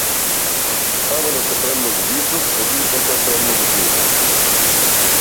Таванот е премногу висок, светилката премногу силна.